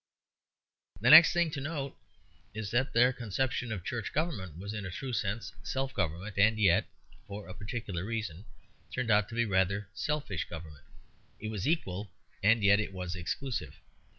The next thing to note is that their conception of church government was in a true sense self government; and yet, for a particular reason, turned out to be a rather selfish self government. It was equal and yet it was exclusive.